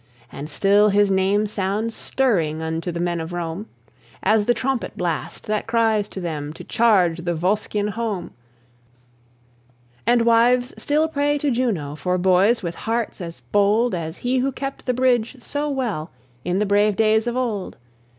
And still his name sounds stirring Unto the men of Rome, As the trumpet blast that cries to them To charge the Volscian home; And wives still pray to Juno For boys with hearts as bold As his who kept the bridge so well In the brave days of old.